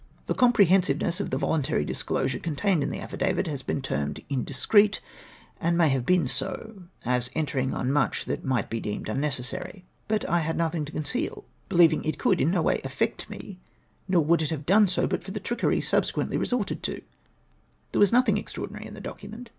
The comprehensiveness of the voluntary disclosure contained in the affidavit has been termed indiscreet, and may have been so, as entering on much that might be deemed unnecessary. But I had nothing to 336 ITS XATURE. conceal, l)C'lieving it could in no way affect me — nor would it liave done so but for the trickery subsequently resorted to. There was nothing extraordinary in the document.